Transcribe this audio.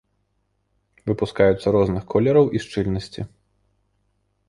Выпускаюцца розных колераў і шчыльнасці.